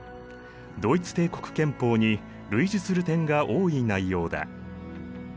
ドイツ帝国憲法に類似する点が多い内容だ。